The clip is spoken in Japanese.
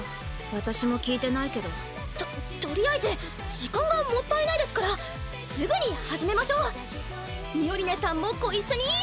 私も聞いてないけどととりあえず時間がもったいないですからすぐに始めましょうミオリネさんもご一緒に！